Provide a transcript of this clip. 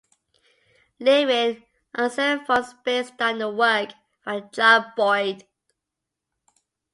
Living Anseriformes based on the work by John Boyd.